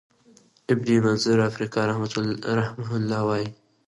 ابن منظور افریقایی رحمه الله وایی،